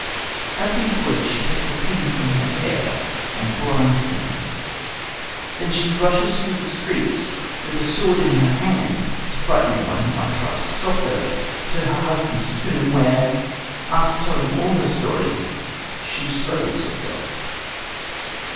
At these words she takes a pin from her hair and blinds him. Then she rushes through the streets, with a sword in her hand to frighten anyone who might try to stop her, to her husband's tomb, where, after telling all her story, she slays herself.